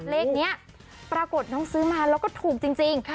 เลขนี้ปรากฏน้องซื้อมาแล้วก็ถูกจริง